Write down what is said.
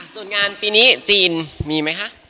ส่วนงานปีนี้จีนมีไหมคะ